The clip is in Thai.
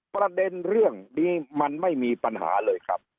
ประเด็นเรื่องนี้มันไม่มีปัญหาเลยครับ